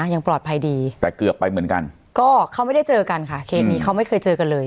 ยังปลอดภัยดีแต่เกือบไปเหมือนกันก็เขาไม่ได้เจอกันค่ะเคสนี้เขาไม่เคยเจอกันเลย